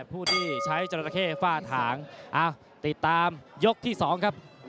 ผู้ที่ใช้จราเข้ฝ้าถางติดตามยกที่๒ครับ